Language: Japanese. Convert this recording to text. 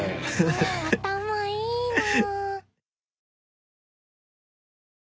頭いいな。